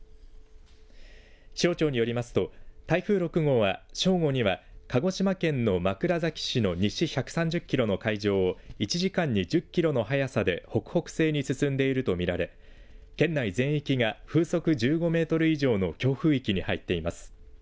気象庁によりますと台風６号は正午には鹿児島県の枕崎市の西１３０キロの海上を１時間に１０キロの速さで北北西に進んでいると見られ県内全域が風速１５メートル以上の強風域に入っています。